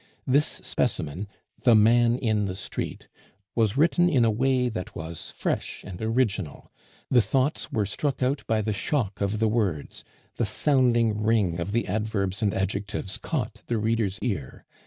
This specimen "The Man in the Street" was written in a way that was fresh and original; the thoughts were struck out by the shock of the words, the sounding ring of the adverbs and adjectives caught the reader's ear.